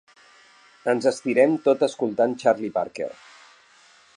Ens estirem tot escoltant Charlie Parker.